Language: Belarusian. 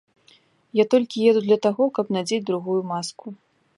Я толькі еду для таго, каб надзець другую маску.